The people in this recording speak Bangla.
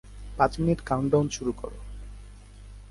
পাঁচ মিনিট কাউন্ট ডাউন শুরু করো।